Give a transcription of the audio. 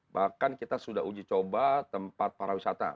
bahkan kita sudah uji coba tempat para wisata